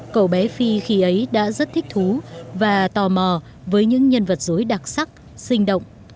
cậu bé phi khi ấy đã rất thích thú và tò mò với những nhân vật dối đặc sắc sinh động